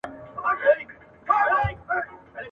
چي وعدې یې د کوثر د جام کولې !.